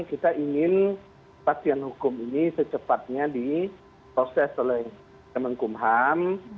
kita ingin pasien hukum ini secepatnya disoseskan